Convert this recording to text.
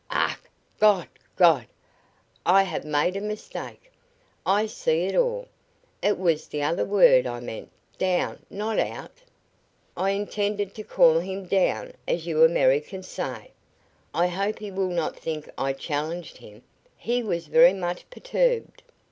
"Ach, God! God! I have made a mistake! I see it all! It was the other word I meant down not out! I intended to call him down, as you Americans say. I hope he will not think I challenged him." He was very much perturbed.